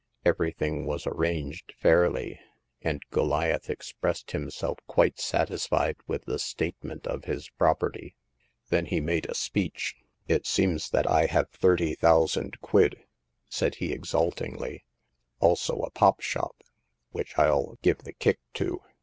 Every thing was arranged fairly, and Goliath expressed himself quite satisfied with the statement of his property. Then he made a speech. It seems that I have thirty thousand quid," said he, exultingly ;also a pop shop, which Til give the kick to.